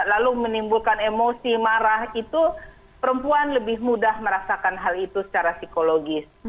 lalu menimbulkan emosi marah itu perempuan lebih mudah merasakan hal itu secara psikologis